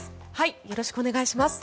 よろしくお願いします。